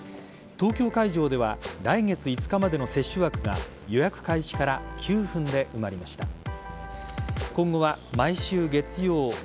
東京会場では来月５日までの接種枠が予約開始から９分で埋まりました。